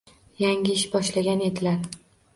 Yangi ish boshlagan edilar.